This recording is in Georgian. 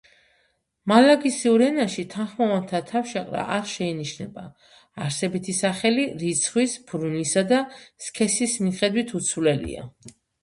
მალაგასიურ ენაში თანხმოვანთა თავშეყრა არ შეინიშნება, არსებითი სახელი რიცხვის, ბრუნვისა და სქესის მიხედვით უცვლელია.